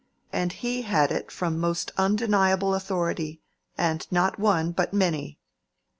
And he had it from most undeniable authority, and not one, but many."